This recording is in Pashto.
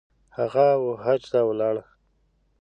هغه ، وحج ته ولاړی